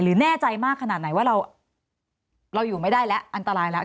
แน่ใจมากขนาดไหนว่าเราอยู่ไม่ได้แล้วอันตรายแล้ว